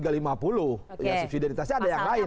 ya subsideritasnya ada yang lain